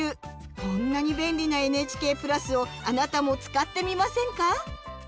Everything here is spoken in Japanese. こんなに便利なＮＨＫ＋をあなたも使ってみませんか？